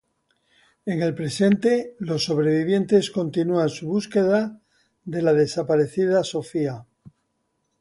En el presente, los sobrevivientes continúan su búsqueda de la desaparecida Sophia.